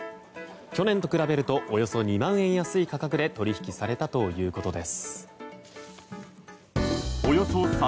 去年と比べるとおよそ２万円安い価格で取引されたということです。